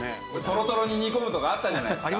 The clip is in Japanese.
とろとろに煮込むとかあったじゃないですか。